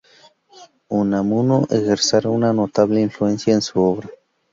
Unamuno ejercerá una notable influencia en su obra.